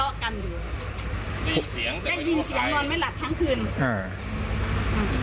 ได้ยินเสียงนอนไม่หลับทั้งคืน